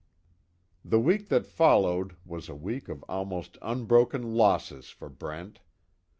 The week that followed was a week of almost unbroken losses for Brent.